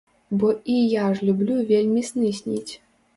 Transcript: Бо і я ж люблю вельмі сны сніць.